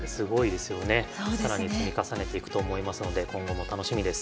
更に積み重ねていくと思いますので今後も楽しみです。